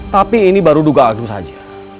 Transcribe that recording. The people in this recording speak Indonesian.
tapi ini baru duga agus saja